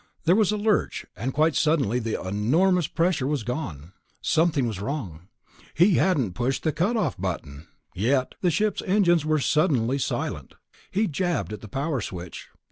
There was a lurch, and quite suddenly the enormous pressure was gone. Something was wrong. He hadn't pushed the cut off button, yet the ship's engines were suddenly silent. He jabbed at the power switch.